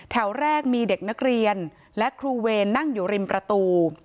แถวแรกมีเด็กนักเรียนและครูเวรนั่งอยู่ริมประตู